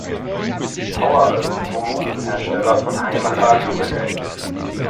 Power als Volumenhersteller von Heimradiogeräten.